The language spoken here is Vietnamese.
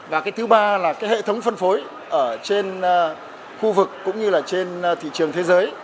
và cái thứ ba là cái hệ thống phân phối ở trên khu vực cũng như là trên thị trường thế giới